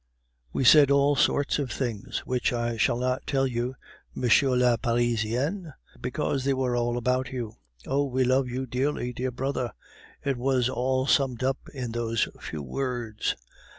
We said all sorts of things, which I shall not tell you, Monsieur le Parisien, because they were all about you. Oh, we love you dearly, dear brother; it was all summed up in those few words.